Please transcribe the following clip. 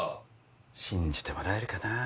信じてもらえるかなぁ。